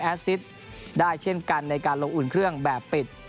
ซิสได้เช่นกันในการลงอุ่นเครื่องแบบปิด